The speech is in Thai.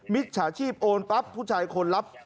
มิจฉาชีพโอนปั๊บผู้ชายคนรับ